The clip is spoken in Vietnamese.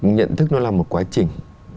nhận thức nó là một quá trình